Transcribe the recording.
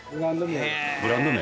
ブランド名。